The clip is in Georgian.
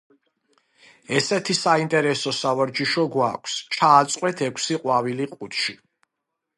ესეთი საინტერესო სავარჯიშო გვაქვს: ჩააწყვეთ ექვსი ყვავილი ყუთში.